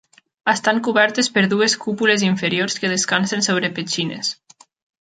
Estan cobertes per dues cúpules inferiors que descansen sobre petxines.